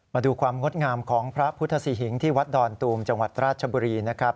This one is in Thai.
มาดูความงดงามของพระพุทธศรีหิงที่วัดดอนตูมจังหวัดราชบุรีนะครับ